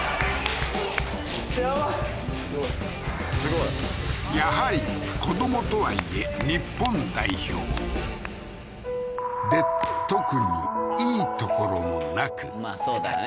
やばいやはり子どもとはいえ日本代表で特にいいところもなくまあそうだよね